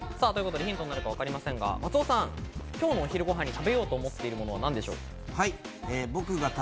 ヒントになるかわかりませんが、松尾さん、今日のお昼ご飯に食べようと思っているものはなんですか？